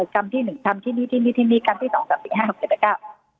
กรรมที่หนึ่งทำที่นี่ที่นี่ที่นี่กรรมที่สองกับปีห้าหกเจ็ดและเก้า